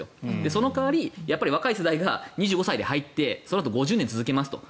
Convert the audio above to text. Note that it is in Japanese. その代わり若い世代が２５歳で入ってそのあと５０年続きますと。